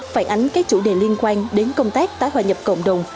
phản ánh các chủ đề liên quan đến công tác tái hòa nhập cộng đồng